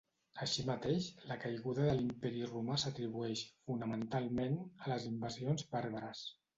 Així mateix, la caiguda de l'Imperi romà s'atribueix, fonamentalment, a les invasions bàrbares.